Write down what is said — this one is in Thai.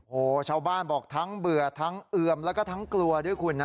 โอ้โหชาวบ้านบอกทั้งเบื่อทั้งเอือมแล้วก็ทั้งกลัวด้วยคุณนะ